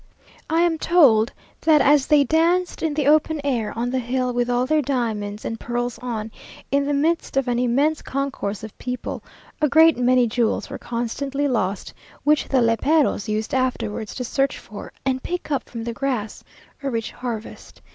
I am told that as they danced in the open air, on the hill, with all their diamonds and pearls on, in the midst of an immense concourse of people, a great many jewels were constantly lost, which the léperos used afterwards to search for, and pick up from the grass; a rich harvest.